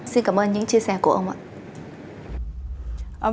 xin cảm ơn những chia sẻ của ông ạ